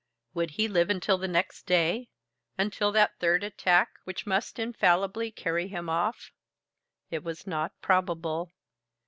Would he live until the next day, until that third attack which must infallibly carry him off? It was not probable.